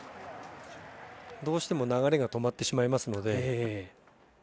どうしても流れが止まってしまいますので。